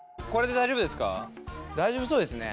大丈夫そうですね。